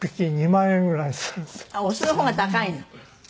あっオスの方が高いの？